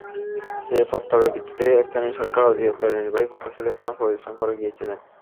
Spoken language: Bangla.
সেই প্রস্তাবের ভিত্তিতে স্থানীয় সরকার অধিদপ্তরের নির্বাহী প্রকৌশলী স্থান পরিদর্শন করে গিয়েছিলেন।